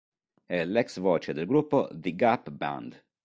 È l'ex voce del gruppo The Gap Band.